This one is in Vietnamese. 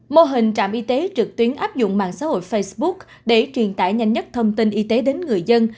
mô hình trạm y tế trực tuyến áp dụng mạng xã hội facebook để truyền tải nhanh nhất thông tin y tế đến người dân